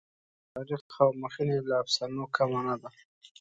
تاریخ او مخینه یې له افسانو کمه نه ده.